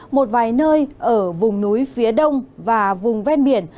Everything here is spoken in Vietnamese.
một vài nơi ở vùng núi phía đông và vùng ven biển